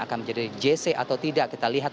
akan menjadi jc atau tidak kita lihat